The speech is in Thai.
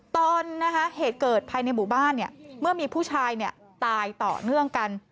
เหตุเกิดภายในหมู่บ้านเมื่อมีผู้ชายตายต่อเนื่องกัน